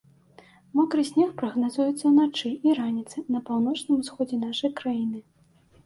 Мокры снег прагназуецца ўначы і раніцай на паўночным усходзе нашай краіны.